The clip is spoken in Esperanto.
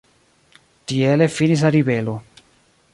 Tiele finis la ribelo.